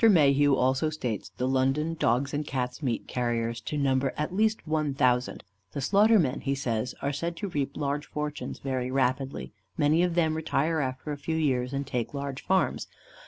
Mayhew also states the London dogs' and cats' meat carriers to number at least one thousand. "The slaughtermen," he says, "are said to reap large fortunes very rapidly. Many of them retire after a few years and take large farms.